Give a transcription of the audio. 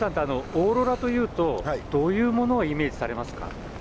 オーロラというとどういうものをイメージされますか？